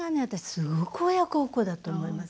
すごく親孝行だと思います。